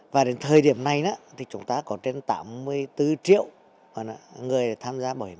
và đến thời điểm này thì chúng ta có trên tám mươi bốn triệu người tham gia bảo hiểm